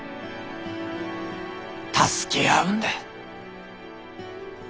助け合うんだ！